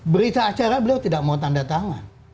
berita acara beliau tidak mau tanda tangan